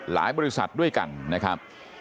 บริษัทด้วยกันนะครับ